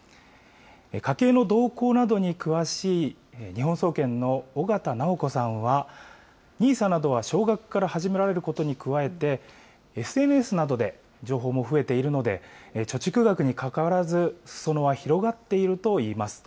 家計の動向などに詳しい日本総研の小方尚子さんは、ＮＩＳＡなどは少額から始められることに加えて、ＳＮＳなどで情報も増えているので、貯蓄額にかかわらず、すそ野は広がっているといいます。